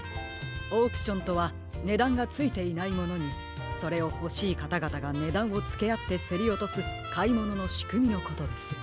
オークションとはねだんがついていないものにそれをほしいかたがたがねだんをつけあってせりおとすかいもののしくみのことです。